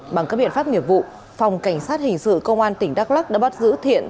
bằng các biện pháp nghiệp vụ phòng cảnh sát hình sự công an tỉnh đắk lắc đã bắt giữ thiện